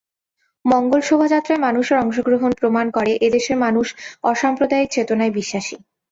মঙ্গল শোভাযাত্রায় মানুষের অংশগ্রহণ প্রমাণ করে এ দেশের মানুষ অসাম্প্রদায়িক চেতনায় বিশ্বাসী।